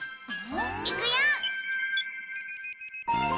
いくよ！